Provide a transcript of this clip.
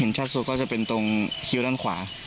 ชัดสุดก็จะเป็นตรงคิ้วด้านขวา